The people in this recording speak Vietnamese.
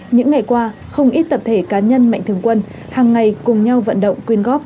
những ngày qua không ít tập thể cá nhân mạnh thường quân hàng ngày cùng nhau vận động quyên góp